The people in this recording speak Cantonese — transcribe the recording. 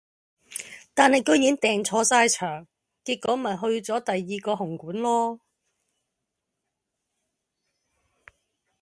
但系居然訂錯曬場地，結果咪去咗第二個紅館囉